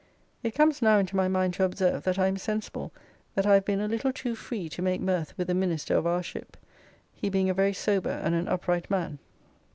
It comes now into my mind to observe that I am sensible that I have been a little too free to make mirth with the minister of our ship, he being a very sober and an upright man.